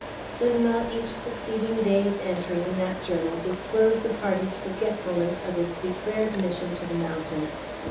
Does not each succeeding day's entry in that journal disclose the party's forgetfulness of its declared mission to the mountains?